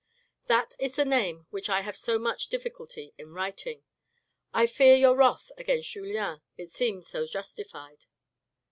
That is the name which I have so much difficulty in writing. I fear your wrath against Julien, it seems so justified.